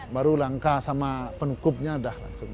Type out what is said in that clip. baru langkah sama penukupnya sudah langsung